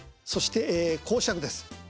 そして講釈です。